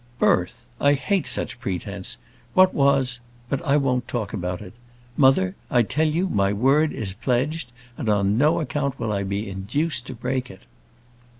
"Birth! I hate such pretence. What was but I won't talk about it. Mother, I tell you my word is pledged, and on no account will I be induced to break it."